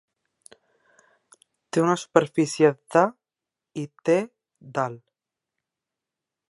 Té una superfície de i té d'alt.